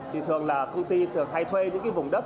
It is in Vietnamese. thì thường là công ty thường hay thuê những cái vùng đất